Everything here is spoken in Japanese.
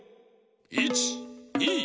１２